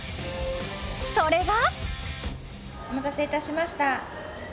それが。